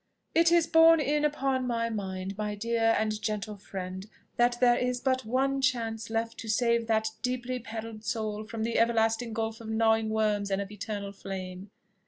"It is borne in upon my mind, my dear and gentle friend, that there is but one chance left to save that deeply perilled soul from the everlasting gulf of gnawing worms and of eternal flame."